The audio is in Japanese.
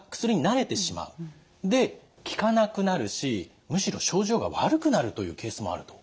で効かなくなるしむしろ症状が悪くなるというケースもあると。